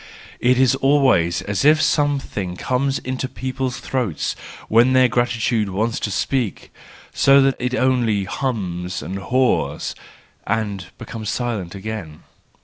It is always as if something comes into people's throats when their gratitude wants to speak, so that it only hems and haws, and becomes silent again.